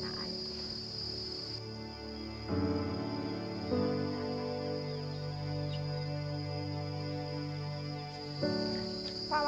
pak makan apa itu pak